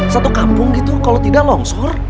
satu kampung gitu kalau tidak longsor